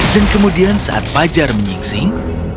dan kemudian saat pajar menyingsing